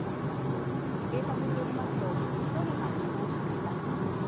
警察によりますと１人が死亡しました。